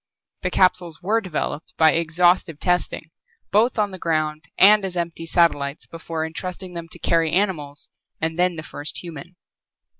The capsules were developed by exhaustive testing both on the ground and as empty satellites before entrusting them to carry animals and then the first human.